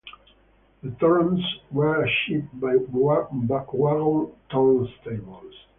The turns were achieved by wagon turntables.